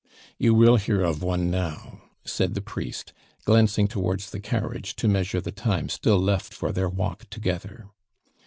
"You will hear of one now," said the priest, glancing towards the carriage to measure the time still left for their walk together.